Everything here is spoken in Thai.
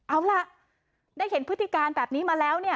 เอาล่ะได้เห็นพฤติการแบบนี้มาแล้วเนี่ย